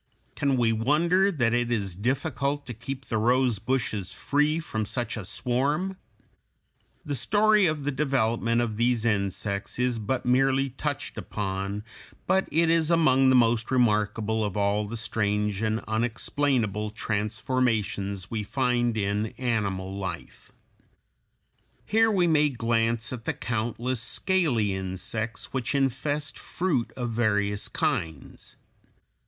Can we wonder that it is difficult to keep the rose bushes free from such a swarm? The story of the development of these insects is but merely touched upon, but it is among the most remarkable of all the strange and unexplainable transformations we find in animal life. [Illustration: FIG. 216. Aphis.] Here we may glance at the countless scaly insects which infest fruit of various kinds.